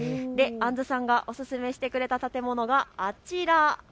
あんずさんがおすすめしてくれた建物があちら。